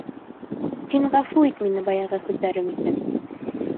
Һин ғәфү ит мине баяғы һүҙҙәрем өсөн.